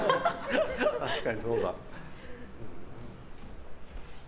確かにそうだ。